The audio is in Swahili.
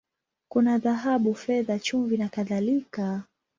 Kuna dhahabu, fedha, chumvi, na kadhalika.